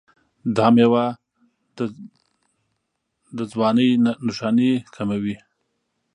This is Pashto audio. دا میوه د ځوانۍ نښانې کموي.